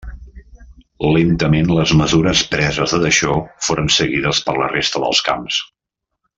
Lentament les mesures preses a Dachau foren seguides per la resta dels camps.